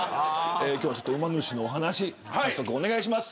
今日は馬主のお話早速お願いします。